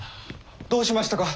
どうしましたか？